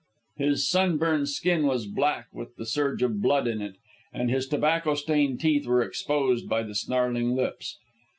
His sunburned skin was black with the surge of blood in it, and his tobacco stained teeth were exposed by the snarling lips.